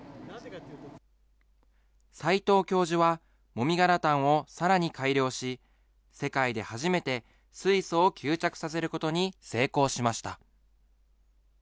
斎藤教授は、もみ殻炭をさらに改良し、世界で初めて水素を吸着させることに成功しました。